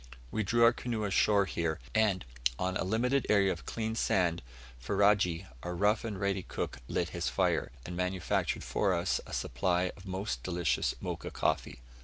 We drew our canoe ashore here, and, on a limited area of clean sand, Ferajji, our rough and ready cook, lit his fire, and manufactured for us a supply of most delicious Mocha coffee.